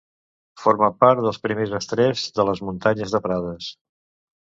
Forma part dels primers estreps de les Muntanyes de Prades.